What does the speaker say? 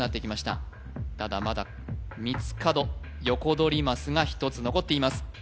ただまだ三つ角ヨコドリマスが１つ残っています